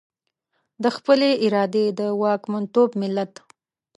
د خپلې ارادې د واکمنتوب ملت.